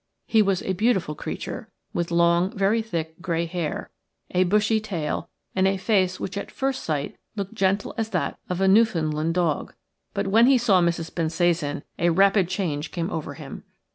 He was a beautiful creature, with long, very thick grey hair, a bushy tail, and a face which at first sight looked gentle as that of a Newfoundland dog. But when he saw Mrs. Bensasan a rapid change came over him.